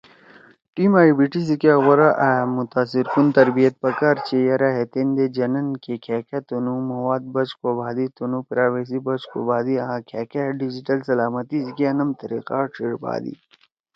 ٹیم ائی بی ٹی سی کیا غورا آں متاثرکن تربیت پکار چھی یرأ ہے تیندے جنَن کہ کھأکأ تُنُو مواد بچ کوبھادی، تُنُو پرائوسی بچ کوبھادی آں کھأکأ ڈیجیٹل سلامتی سی کیا نم طریقہ ڇھیِڙ بھادی۔